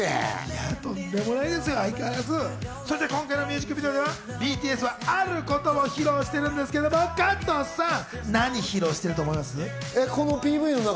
そして今回のミュージックビデオではＢＴＳはあることを披露しているんですが加藤さん、なにを披露していると思います？